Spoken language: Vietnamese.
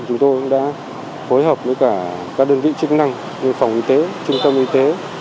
chúng tôi đã phối hợp với các đơn vị chức năng như phòng y tế trung tâm y tế